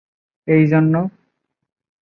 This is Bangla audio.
এই জন্য।